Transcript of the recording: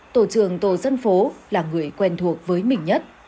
tổ trưởng tổ dân phố là người quen thuộc với mình nhất